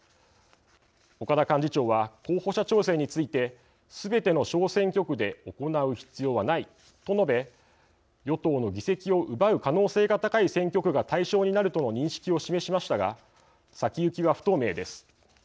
岡田幹事長は候補者調整についてすべての小選挙区で行う必要はないと述べ与党の議席を奪う可能性が高い選挙区が対象になるとの認識を示しましたが先行きは不透明です。